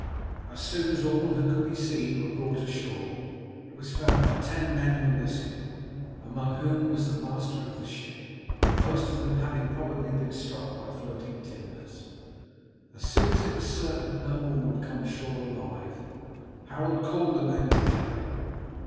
As soon as all who could be seen were brought ashore it was found that ten men were missing, among whom was the master of the ship, most of them having probably been struck by floating timbers. As soon as it was certain that no more would come ashore alive Harold called the men together.